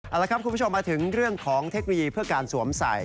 เอาละครับคุณผู้ชมมาถึงเรื่องของเทคโนโลยีเพื่อการสวมใส่